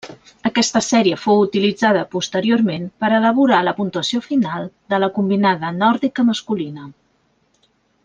Aquesta sèrie fou utilitzada posteriorment per elaborar la puntuació final de la combinada nòrdica masculina.